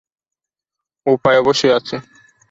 উপায় অবশ্যই আছে!